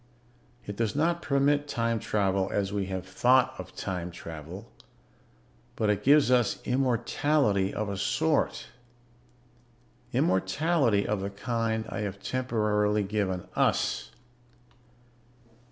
"It does not permit time travel as we have thought of time travel, but it gives us immortality of a sort. Immortality of the kind I have temporarily given us.